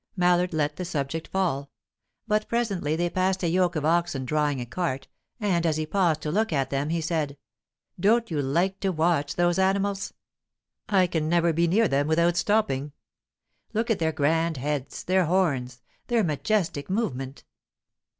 Mallard let the subject fall. But presently they passed a yoke of oxen drawing a cart, and, as he paused to look at them, he said: "Don't you like to watch those animals? I can never be near them without stopping. Look at their grand heads, their horns, their majestic movement!